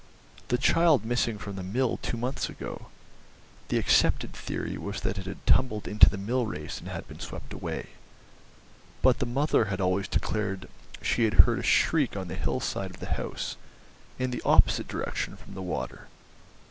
The child missing from the mill two months ago—the accepted theory was that it had tumbled into the mill race and been swept away; but the mother had always declared she had heard a shriek on the hill side of the house, in the opposite direction from the water.